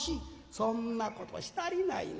「そんなことしたりないな。